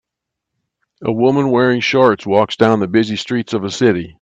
A woman wearing shorts walks down the busy streets of a city.